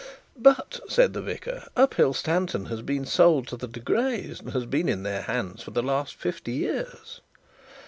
'But,' said the vicar, 'Uphill Stanton has been sold to the De Greys, and has been in their hands for the last fifty years.'